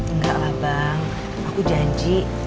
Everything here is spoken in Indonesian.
enggak lah bang aku janji